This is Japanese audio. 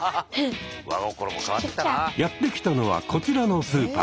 やって来たのはこちらのスーパー。